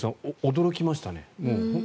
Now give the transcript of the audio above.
驚きましたね。